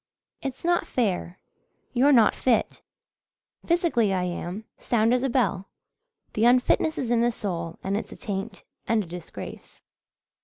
"It's not fair you're not fit." "Physically I am. Sound as a bell. The unfitness is in the soul and it's a taint and a disgrace.